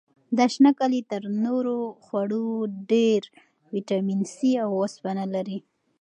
دا شنه کالي تر نورو خوړو ډېر ویټامین سي او وسپنه لري.